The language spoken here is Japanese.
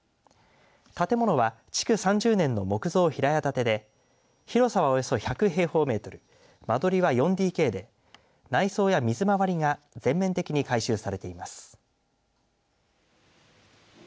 建物は築３０年の木造平屋建てで広さはおよそ１００平方メートル間取りは４ＤＫで内装や水回りが全面的に改修されています。